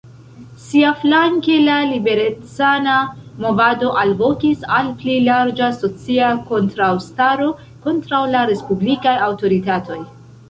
Siaflanke la liberecana movado alvokis al pli larĝa socia kontraŭstaro kontraŭ la respublikaj aŭtoritatoj.